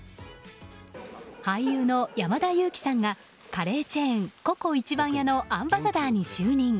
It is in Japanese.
俳優の山田裕貴さんがカレーチェーンＣｏＣｏ壱番屋のアンバサダーに就任。